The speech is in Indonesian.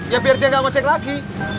ya biar dia nggak ngecek lagi